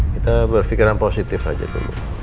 kita berpikiran positif aja tuh